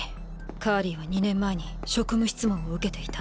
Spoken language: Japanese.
カーリーは２年前に職務質問を受けていた。